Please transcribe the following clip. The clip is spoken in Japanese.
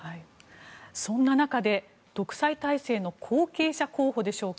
そんな中で独裁体制の後継者候補でしょうか。